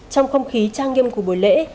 trong không khí trang nghiêm của buổi lễ